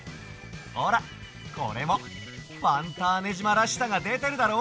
ほらこれもファンターネじまらしさがでてるだろ？